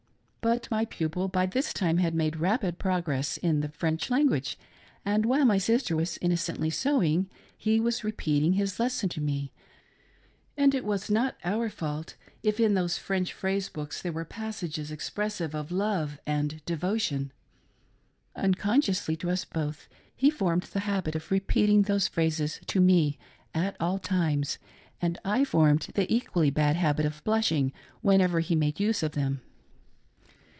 But my pupil by this time had made rapid progress in the French language, and while my sister was innocently sewing, he was repeatirtg his lesson to me ; and it was not our fault if in those French phrase books there were passages expressive of love and devotion. Unconsciously to us both, he formed the habit of repeating those phrases to me at all times, and I formed the equally bad habit of blushing whenever he made use of them.